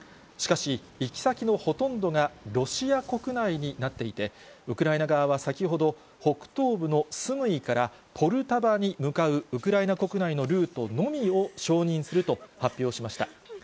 しかし、行き先のほとんどがロシア国内になっていて、ウクライナ側は先ほど、北東部のスムイからポルタバに向かう向かうウクライナ国内のルートのみを承認すると発表しました。